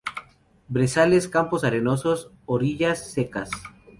Brezales, campos arenosos, orillas secas.